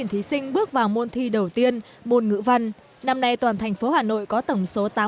hà nội tp hcm